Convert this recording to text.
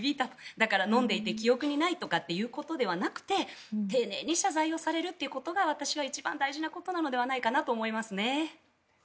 だから飲んでいて記憶にないということではなくて丁寧に謝罪をされることが私は一番大事なことではないかなと思いますね。